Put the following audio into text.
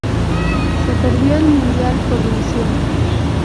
Se perdió el Mundial por lesión.